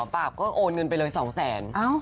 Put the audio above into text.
แบบก็โอนเงินไปเลย๒๐๐๐๐๐๐บาท